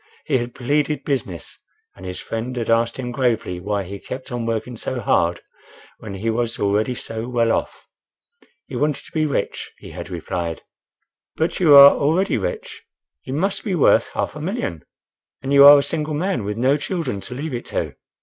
He had pleaded business, and his friend had asked him gravely why he kept on working so hard when he was already so well off. He wanted to be rich, he had replied. "But you are already rich—you must be worth half a million? and you are a single man, with no children to leave it to."